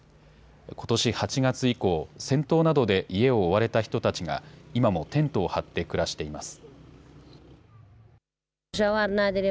ことし８月以降、戦闘などで家を追われた人たちが今もテントを張って暮らしています。